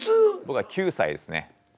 僕は９歳ですね。